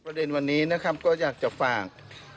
ประเด็นวันนี้นะครับก็อยากจะฝาก